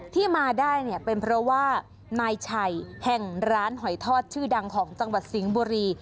ที่มาได้เนี่ยเป็นเพราะว่านายชัยแห่งร้านหอยทอดชื่อดังของจังหวัดสิงห์บุรี